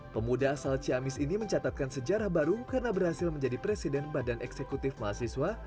pemuda asal ciamis ini mencatatkan sejarah baru karena berhasil menjadi presiden badan eksekutif mahasiswa